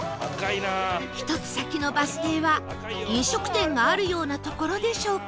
１つ先のバス停は飲食店があるような所でしょうか？